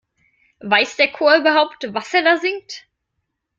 Weiß der Chor überhaupt, was er da singt?